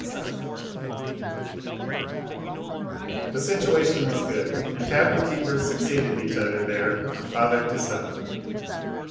47 The situation was good, and tavern keepers succeeded each other there, from father to son.